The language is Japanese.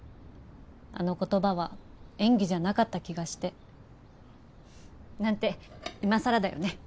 あの言葉は演技じゃなかった気がして何て今さらだよね